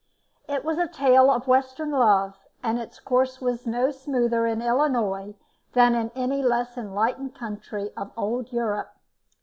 It was a tale of western love, and its course was no smoother in Illinois than in any less enlightened country of old Europe.